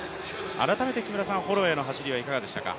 改めて、ホロウェイの走りはいかがでしたか？